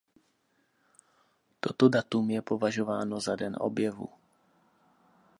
Toto datum je považováno za den objevu.